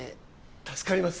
助かります。